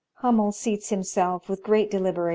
Hummel seats himself with great deliberation; "pause.